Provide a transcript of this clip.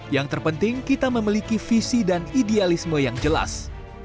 yang terpenting kita memiliki visi dan idealisme yang jelas